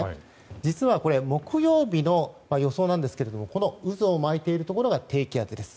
実は木曜日の予想なんですけどもこの渦を巻いているところが低気圧です。